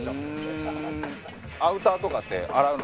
アウターとかって洗うの結構。